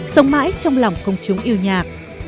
sống mãi trong lòng công chúng yêu nhau